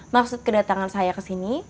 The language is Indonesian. maksud kedatangan saya kesini